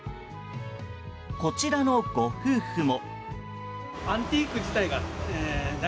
こちらのご夫婦も。